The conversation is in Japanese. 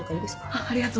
あっありがとう。